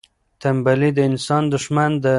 تنبلي د انسان دښمن ده.